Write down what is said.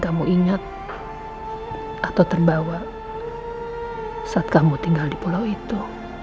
hai mungkin kamu tidak bisa mencari tuhan yang berada di dalam dirimu